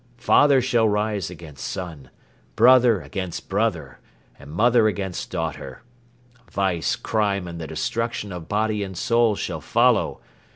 ... Father shall rise against son, brother against brother and mother against daughter. ... Vice, crime and the destruction of body and soul shall follow.